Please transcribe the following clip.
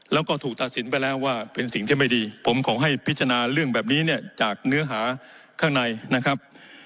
แล้วก็ถูกตัดสินไปแล้วว่าเป็นสิ่งที่ไม่ดีผมขอให้พิจารณาเรื่องแบบนี้เนี่ยจากเนื้อหาข้างในนะครับ